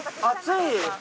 暑い？